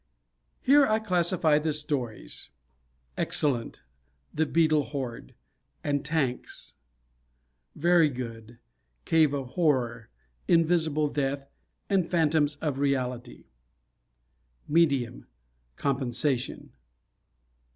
Here I classify the stories. Excellent: "The Beetle Horde," and "Tanks." Very Good: "Cave of Horror," "Invisible Death," and "Phantoms of Reality." Medium: "Compensation."